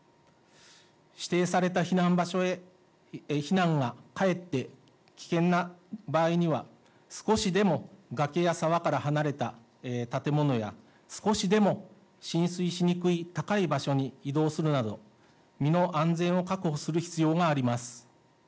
指定された避難場所へ避難がかえって危険な場合には、少しでも崖や沢から離れた建物や少しでも浸水しにくい高い場所に移動するなど、身の安全を確保する必要があります。